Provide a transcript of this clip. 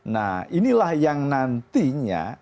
nah inilah yang nantinya